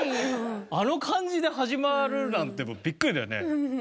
あの感じで始まるなんてビックリだよね。